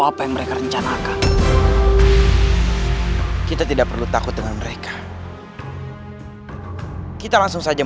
sekarang kamu melihat pranaitya lelaki dan spiritual than bangga